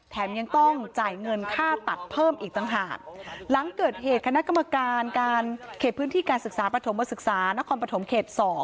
ยังต้องจ่ายเงินค่าตัดเพิ่มอีกต่างหากหลังเกิดเหตุคณะกรรมการการเขตพื้นที่การศึกษาประถมศึกษานครปฐมเขต๒